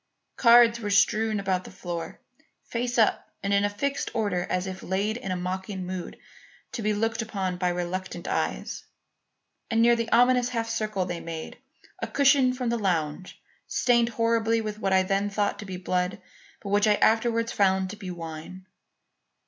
Cards were strewn about the floor, face up and in a fixed order as if laid in a mocking mood to be looked upon by reluctant eyes; and near the ominous half circle they made, a cushion from the lounge, stained horribly with what I then thought to be blood, but which I afterwards found to be wine.